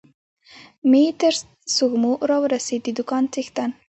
مې تر سږمو را ورسېد، د دوکان څښتن.